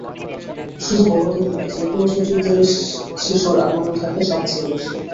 শুধু বড়দিন নয়, যেকোনো ছুটির দিনে শিশুর আনন্দ থাকে সবচেয়ে বেশি।